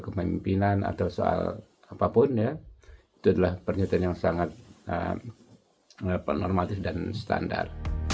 kemimpinan atau soal apapun ya itu adalah pernyataan yang sangat normatif dan standar